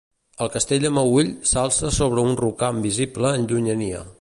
El castell de Meüll s'alça sobre un rocam visible en llunyania.